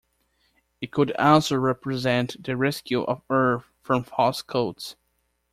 It could also represent the rescue of earth from "false cults".